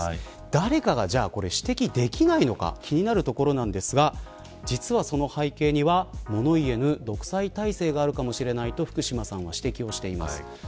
誰かが、じゃあこれを指摘できないのか気になるところなんですが実は、その背景には物言えぬ独裁体制があるかもしれないと福島さんは指摘しています。